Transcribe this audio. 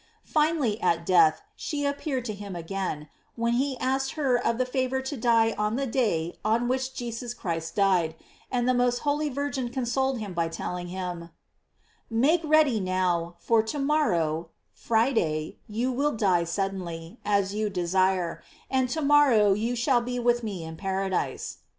Finally, at death she appeared to him again, when he asked of her the favor to die on the day on which Jesus Christ died, and the most holy Virgin consoled him by telling him : "Make ready now, for to morrow (Friday) you will die suddenly, as you desire, and to morrow you shall be with me in paradise